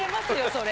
それ。